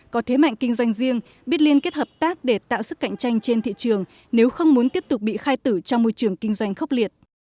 có thế mạnh kinh doanh riêng biết liên kết hợp tác để tạo sức cạnh tranh trên thị trường nếu không muốn tiếp tục bị khai tử trong môi trường kinh doanh khốc liệt